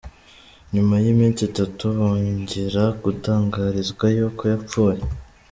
Nyuma y’iminsi itatu bongera gutangarizwa yuko yapfuye !